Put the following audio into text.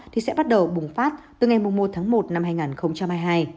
thì sẽ bắt đầu bùng phát từ ngày một tháng một năm hai nghìn hai mươi hai